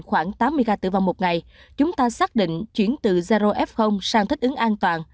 khoảng tám mươi ca tử vong một ngày chúng ta xác định chuyển từ zaro f sang thích ứng an toàn